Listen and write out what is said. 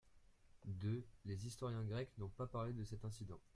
deux Les historiens grecs n'ont pas parlé de cet incident.